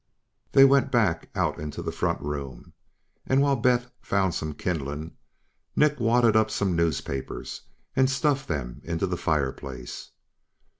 They went back out into the front room and, while Beth found some kindling, Nick wadded up some newspapers and stuffed them in the fireplace.